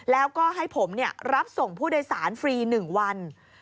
แล้วก็ให้ผมรับส่งผู้โดยสารฟรี๑วัน